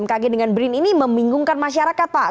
bmkg dengan brin ini membingungkan masyarakat pak